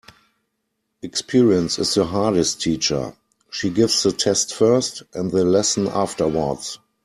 Experience is the hardest teacher. She gives the test first and the lesson afterwards.